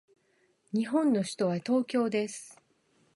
日本の首都は東京です。